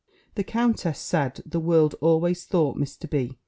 The countess said, the world always thought Mr. B.